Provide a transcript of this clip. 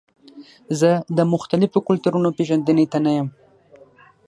زه د مختلفو کلتورونو پیژندنې ته نه یم.